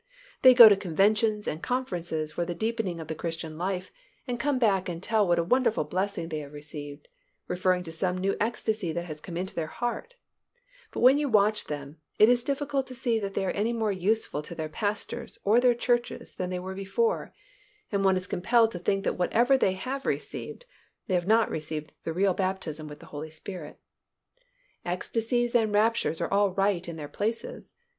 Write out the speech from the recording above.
They go to conventions and conferences for the deepening of the Christian life and come back and tell what a wonderful blessing they have received, referring to some new ecstasy that has come into their heart, but when you watch them, it is difficult to see that they are any more useful to their pastors or their churches than they were before, and one is compelled to think that whatever they have received, they have not received the real baptism with the Holy Spirit. Ecstasies and raptures are all right in their places.